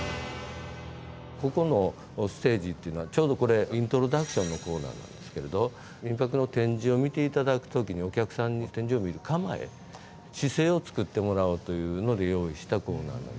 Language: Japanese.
ここのステージっていうのはちょうどこれイントロダクションのコーナーなんですけれど「みんぱく」の展示を見て頂く時にお客さんに展示を見る構え姿勢を作ってもらおうというので用意したコーナーなんです。